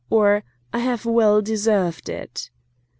or "I have well deserved it!"